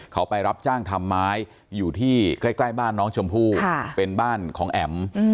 เขาไปรับจ้างทำไม้อยู่ที่ใกล้บ้านน้องชมพู่เป็นบ้านของแอ๋ม